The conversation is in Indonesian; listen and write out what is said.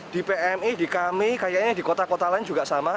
di pmi di kami kayaknya di kota kota lain juga sama